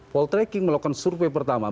call tracking melakukan survei pertama